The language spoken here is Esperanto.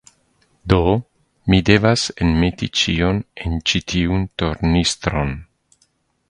Do, mi devas enmeti ĉion en ĉi tiun tornistron.